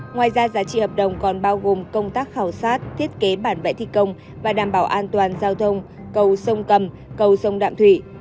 ngoài ra giá trị hợp đồng còn bao gồm công tác khảo sát thiết kế bản vẽ thi công và đảm bảo an toàn giao thông cầu sông cầm cầu sông đạm thủy